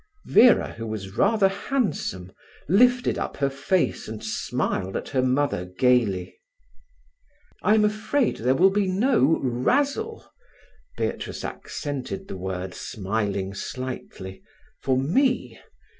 Vera, who was rather handsome, lifted up her face and smiled at her mother gaily. "I am afraid there will be no razzle"—Beatrice accented the word, smiling slightly—"for me.